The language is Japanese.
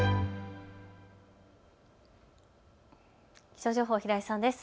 気象情報、平井さんです。